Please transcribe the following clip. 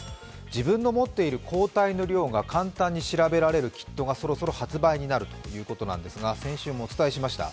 自分の持っている抗体の量が簡単に調べられるキットがそろそろ発売になるということなんですが、先週もお伝えしました。